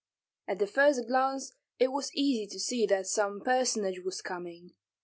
At the first glance it was easy to see that some personage was coming.